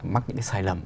mắc những cái sai lầm